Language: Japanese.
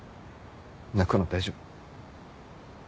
泣くの大丈夫。